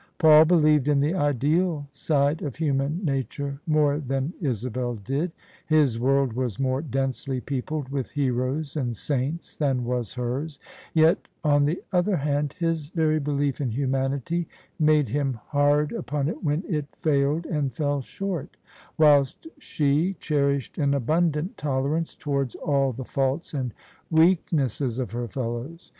Paul believed in the ideal side of human nature more than Isabel did: his world was more densely peopled with heroes and saints than was hers : yet, on the other hand, his very belief in humanity made him hard upon it when it failed and fell short ; whilst she cherished an abundant toler ance towards all the faults and weaknesses of her fellows.